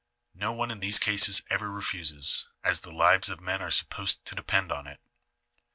No one in these cases ever refuses, as the lives of men are supposed to depend on it.